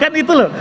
kan itu loh